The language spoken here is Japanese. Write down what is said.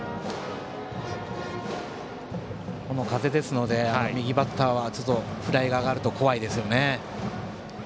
この風ですので右バッターはフライが上がると怖いですよね。